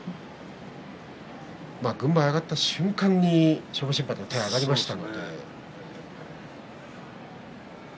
軍配が上がった瞬間に勝負審判から手が上がりました。